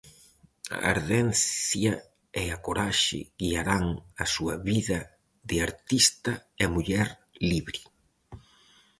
A ardencia e a coraxe guiarán a súa vida de artista e muller libre.